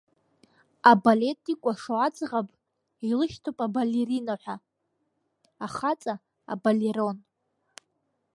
Абалет икәашо аӡӷаб илышьҭоуп абалерина ҳәа, ахаҵа абалерон.